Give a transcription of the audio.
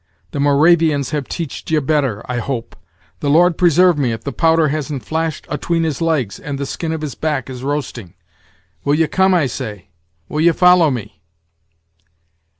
The Moravians have teached ye better, I hope; the Lord preserve me if the powder hasn't flashed atween his legs, and the skin of his back is roasting. Will ye come, I say; will ye follow me?"